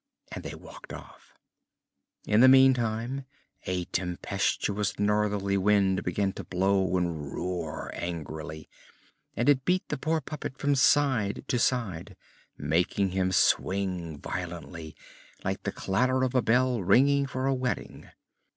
And they walked off. In the meantime a tempestuous northerly wind began to blow and roar angrily, and it beat the poor puppet from side to side, making him swing violently, like the clatter of a bell ringing for a wedding.